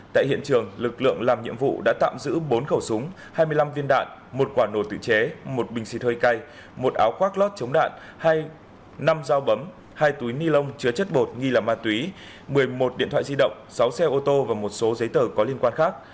tại hiện trường lực lượng làm nhiệm vụ đã tạm giữ bốn khẩu súng hai mươi năm viên đạn một quả nổ tự chế một bình xịt hơi cay một áo khoác lót chống đạn năm dao bấm hai túi ni lông chứa chất bột nghi là ma túy một mươi một điện thoại di động sáu xe ô tô và một số giấy tờ có liên quan khác